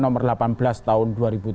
nomor delapan belas tahun dua ribu tujuh belas